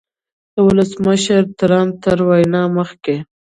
د ولسمشر ټرمپ تر وینا مخکې